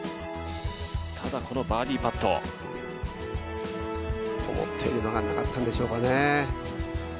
ただ、このバーディーパット思ったより曲がらなかったんでしょうかね。